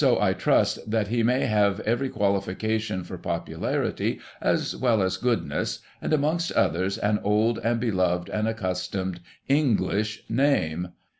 I trust that he may have every qualification for popularity as well as goodness, and, amongst others, an old, and beloved, and accustomed English name.